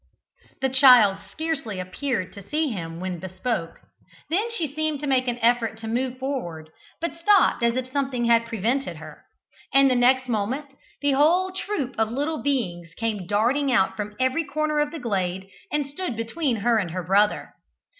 The child scarcely appeared to see him when bespoke then she seemed to make an effort to move forward, but stopped as if something prevented her, and the next moment the whole troop of little beings came darting out from every corner of the glade and stood between her and her brother.